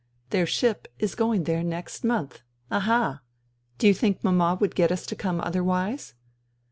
" Their ship is going there next month. Aha ! Do you think Mama would get us to come other wise